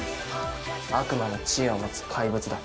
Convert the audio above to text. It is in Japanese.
悪魔の知恵を持つ怪物だ。